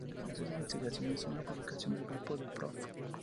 Previamente a estas investigaciones, una publicación del grupo del Prof.